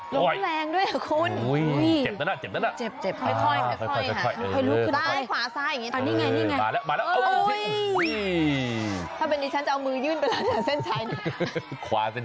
โหยลงแรงด้วยหรอคุณ